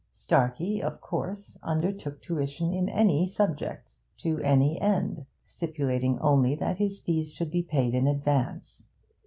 Starkey, of course, undertook tuition in any subject, to any end, stipulating only that his fees should be paid in advance.